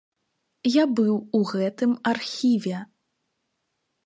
Я быў у гэтым архіве.